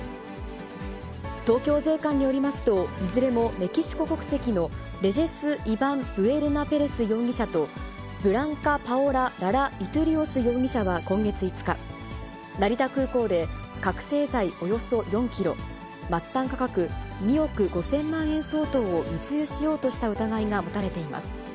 東京税関によりますと、いずれもメキシコ国籍のレジェス・イバン・ブエルナ・ペレス容疑者とブランカ・パオラ・ララ・イトゥリオス容疑者は今月５日、成田空港で覚醒剤およそ４キロ、末端価格２億５０００万円相当を密輸しようとした疑いが持たれています。